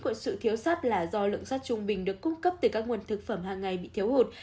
của sự thiếu sắt là do lượng sắt trung bình được cung cấp từ các nguồn thực phẩm hàng ngày bị thiếu hụt